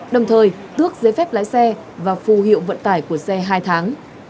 đồng thời tước giấy phép lái xe và phù hiệu vận tải của xe hai tháng